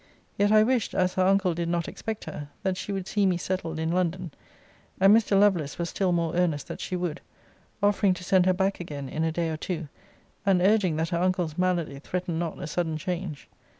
Yet I wished, as her uncle did not expect her, that she would see me settled in London; and Mr. Lovelace was still more earnest that she would, offering to send her back again in a day or two, and urging that her uncle's malady threatened not a sudden change.